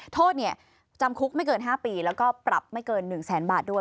โทษจำคุกไม่เกิน๕ปีแล้วก็ปรับไม่เกิน๑แสนบาทด้วย